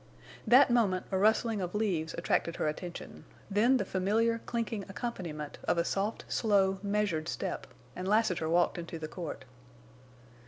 That moment a rustling of leaves attracted her attention; then the familiar clinking accompaniment of a slow, soft, measured step, and Lassiter walked into the court.